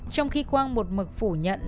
trong khi quang một mực phủ nhận